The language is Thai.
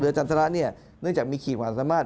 เรือจันทระนี่เนื่องจากมีขีดหวารสนามาศ